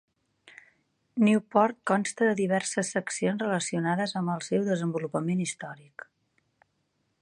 Newport consta de diverses seccions relacionades amb el seu desenvolupament històric.